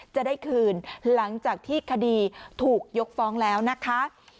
จะได้คืนหลังจากที่คดีถูกยกฟ้องแล้วนะคะ